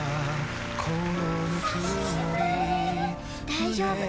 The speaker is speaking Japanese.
大丈夫。